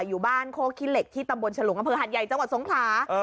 อยู่บ้านโคกขี้เหล็กที่ตำบลฉลุงอำเภอหัดใหญ่จังหวัดสงขลา